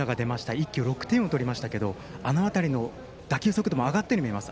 一挙６点でしたがあの辺りの打球速度も上がったように見えます。